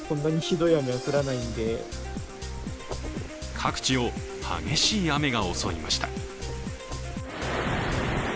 各地を激しい雨が襲いました。